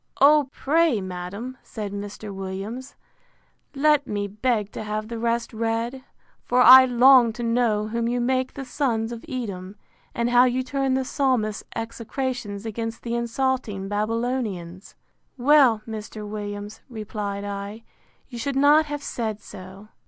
O pray, madam, said Mr. Williams, let me beg to have the rest read; for I long to know whom you make the Sons of Edom, and how you turn the Psalmist's execrations against the insulting Babylonians. Well, Mr. Williams, replied I, you should not have said so.